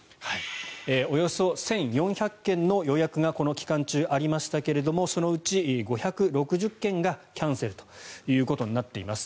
およそ１４００件の予約がこの期間にありましたがそのうち５６０件がキャンセルということになっています。